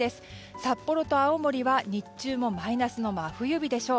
札幌と青森は日中もマイナスの真冬日でしょう。